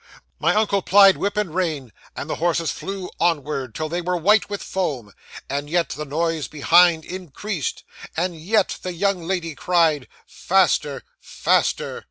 'My uncle plied whip and rein, and the horses flew onward till they were white with foam; and yet the noise behind increased; and yet the young lady cried, "Faster! Faster!"